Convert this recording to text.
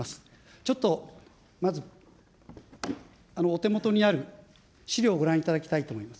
ちょっとまず、お手元にある資料をご覧いただきたいと思います。